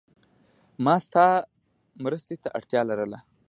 ما ستا مرستی ته اړتیا لرله.